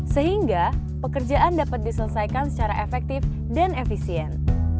sehingga pekerjaan dapat diselesaikan secara efektif dan efisien